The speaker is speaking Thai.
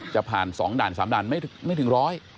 จะผ่าน๒ด่าน๓ด่านไม่ถึงร้อย